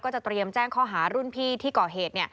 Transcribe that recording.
จะเตรียมแจ้งข้อหารุ่นพี่ที่ก่อเหตุ